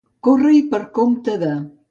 Córrer-hi per compte de.